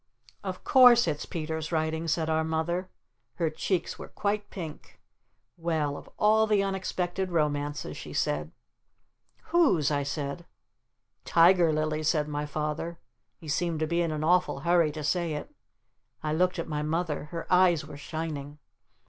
"Of course it's Peter's writing," said our Mother. Her cheeks were quite pink. "Well of all the unexpected romances " she said. "Whose?" I said. "Tiger Lily's," said my Father. He seemed to be in an awful hurry to say it. I looked at my Mother. Her eyes were shining.